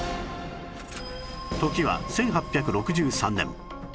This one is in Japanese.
時は１８６３年